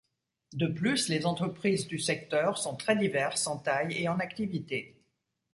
De plus, les entreprises du secteur sont très diverses en taille et en activité.